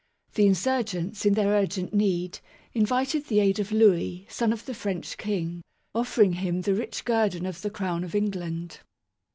The insurgents, in their urgent need, invited the aid of Louis, son of the French King, offering him the rich guerdon of the Crown of England.